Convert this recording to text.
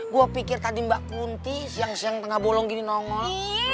gue pikir tadi mbak kunti siang siang tengah bolong gini nongol